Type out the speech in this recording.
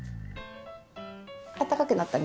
あったかくなったね。